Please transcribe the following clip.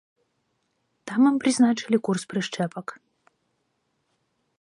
Там ім прызначылі курс прышчэпак.